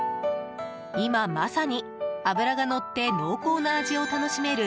今まさに脂がのって濃厚な味を楽しめる